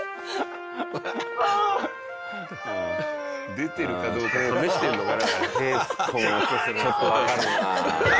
出てるかどうか試してるのかな？